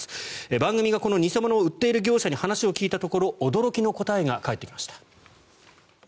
番組でこの偽物を売っている業者に話を聞いたところ驚きの答えが返ってきました。